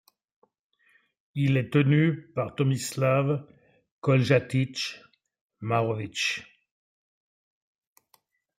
Il est tenu par Tomislav Koljatic Maroevic.